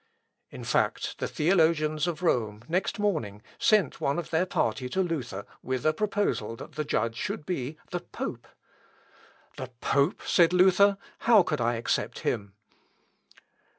In fact, the theologians of Rome, next morning, sent one of their party to Luther, with a proposal that the judge should be ... the pope!... "The pope!" said Luther, "how could I accept him?"